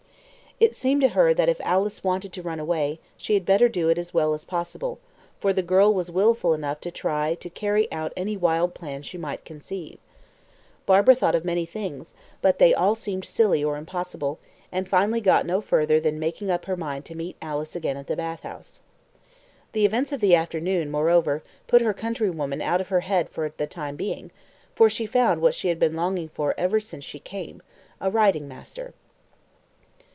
It seemed to her that if Alice wanted to run away, she had better do it as well as possible, for the girl was wilful enough to try to carry out any wild plan she might conceive. Barbara thought of many things, but they all seemed silly or impossible, and finally got no further than making up her mind to meet Alice again at the bath house. The events of the afternoon, moreover, put her countrywoman out of her head for the time being, for she found what she had been longing for ever since she came a riding master.